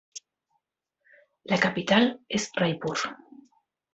La capital és Raipur.